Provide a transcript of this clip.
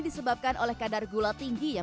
disebabkan oleh kadar gula tinggi ya